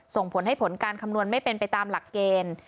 ส่งผลให้ผลการคำนวณไม่เป็นไปตามหลักเกณฑ์